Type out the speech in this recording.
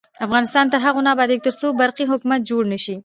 افغانستان تر هغو نه ابادیږي، ترڅو برقی حکومت جوړ نشي.